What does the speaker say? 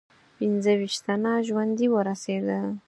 پنځه ویشت تنه ژوندي ورسېدل.